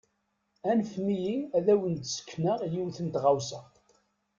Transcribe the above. Anfem-iyi ad wen-d-sekneɣ yiwet n tɣawsa.